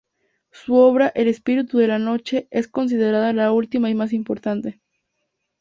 Su obra "El espíritu de la noche" es considerada la última y más importante.